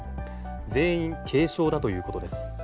全員軽症だということです。